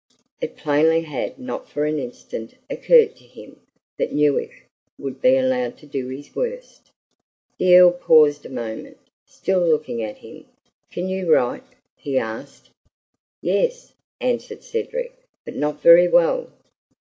It plainly had not for an instant occurred to him that Newick would be allowed to do his worst. The Earl paused a moment, still looking at him. "Can you write?" he asked. "Yes," answered Cedric, "but not very well."